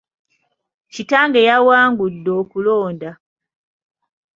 Kitange yawangudde okulonda.